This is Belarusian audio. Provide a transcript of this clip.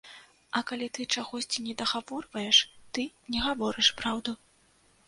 А калі ты чагосьці недагаворваеш, ты не гаворыш праўду.